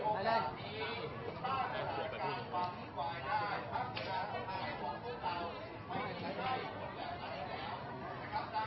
ให้สมมุติขอบคุณค่ะและผมฝากทุกคนต่อจากขอบคุณค่ะขอบคุณค่ะ